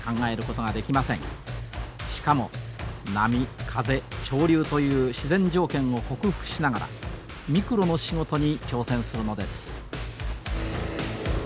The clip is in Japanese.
しかも波風潮流という自然条件を克服しながらミクロの仕事に挑戦するのです。